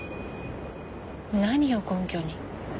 何を根拠に？